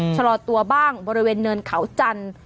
ชะลอตัวบ้างบริเวณเนินเขาจันทร์